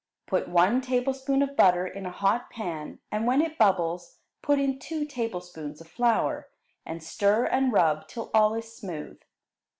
Put one tablespoonful of butter in a hot pan, and when it bubbles put in two tablespoonfuls of flour, and stir and rub till all is smooth.